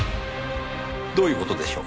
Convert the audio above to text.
どういう事でしょう？